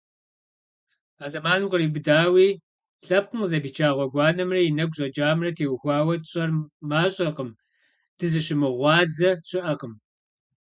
А зэманым къриубыдэуи лъэпкъым къызэпича гъуэгуанэмрэ и нэгу щӏэкӏамрэ теухуауэ тщӏэр мащӏэкъым, дызыщымыгъуазэ щыӏэми.